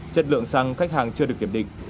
chất lượng xăng khách hàng chưa được kiểm định